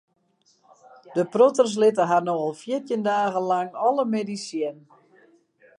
De protters litte har no al fjirtjin dagen lang alle middeis sjen.